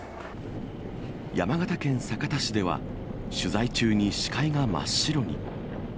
山形県酒田市では、取材中に視界が真っ白に。